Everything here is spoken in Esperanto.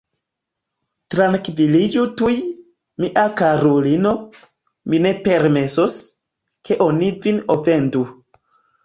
Trankviliĝu tuj, mia karulino, mi ne permesos, ke oni vin ofendu.